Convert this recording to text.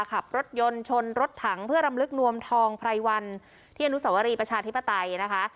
ขับรถยนต์ชนรถถังเพื่อรำลึกนวมทองไพรวันที่อนุสวรีประชาธิปไตยนะคะ